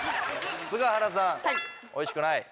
菅原さんオイシくない。